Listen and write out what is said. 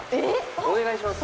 お願いしますよ。